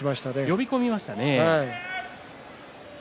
呼び込みましたね。